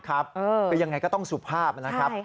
คือยังไงก็ต้องสุภาพนะครับ